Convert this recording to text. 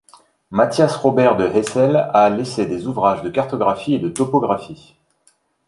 Mathias Robert de Hessel a laissé des ouvrages de cartographie et de topographie.